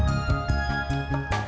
gak usah banyak ngomong